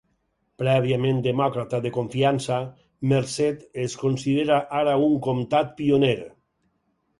Prèviament demòcrata de confiança, Merced es considera ara un comtat pioner.